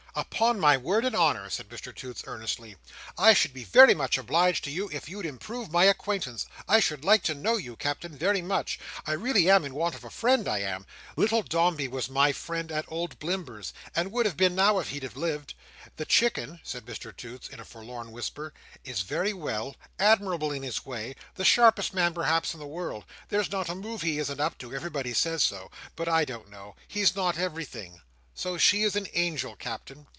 "Upon my word and honour," said Mr Toots, earnestly, "I should be very much obliged to you if you'd improve my acquaintance. I should like to know you, Captain, very much. I really am in want of a friend, I am. Little Dombey was my friend at old Blimber's, and would have been now, if he'd have lived. The Chicken," said Mr Toots, in a forlorn whisper, "is very well—admirable in his way—the sharpest man perhaps in the world; there's not a move he isn't up to, everybody says so—but I don't know—he's not everything. So she is an angel, Captain.